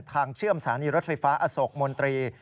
เชื่อมสถานีรถไฟฟ้าอโศกมนตรี